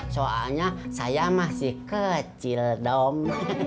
soalnya saya masih kecil dong